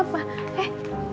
aku mimpi mak